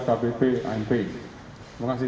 kbp anp terima kasih